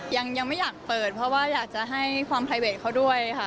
ยังไม่อยากเปิดเพราะว่าอยากจะให้ความไพรเวทเขาด้วยค่ะ